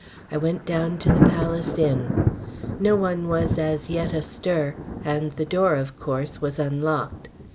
I went down to the Palace Inn. No one was as yet astir, and the door, of course, was unlocked.